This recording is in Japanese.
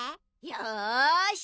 よし。